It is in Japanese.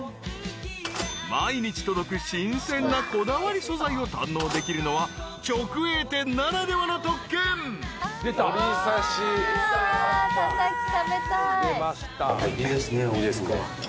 ［毎日届く新鮮なこだわり素材を堪能できるのは直営店ならではの特権］出ました。